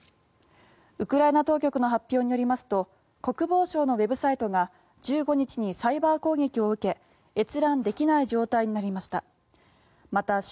ウクライナ当局の発表によりますと国防省のウェブサイトが１５日にサイバー攻撃を受け閲覧できない状態になりました。